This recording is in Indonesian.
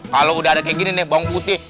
kalau udah ada kayak gini nih bawang putih